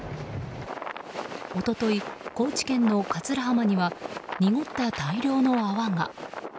一昨日、高知県の桂浜には濁った大量の泡が。